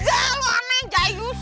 enggak lu aneh jayus